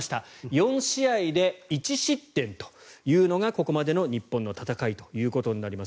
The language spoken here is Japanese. ４試合で１失点というのがここまでの日本の戦いということになります。